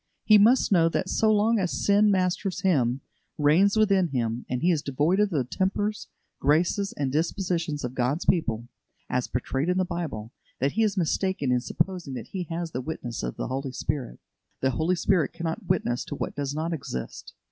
He must know that so long as sin masters him, reigns within him, and he is devoid of the tempers, graces, and dispositions of God's people, as portrayed in the Bible, that he is mistaken in supposing that he has the witness of the Spirit. The Holy Spirit cannot witness to what does not exist.